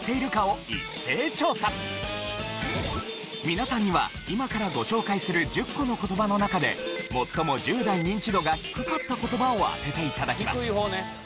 皆さんには今からご紹介する１０個の言葉の中で最も１０代ニンチドが低かった言葉を当てて頂きます。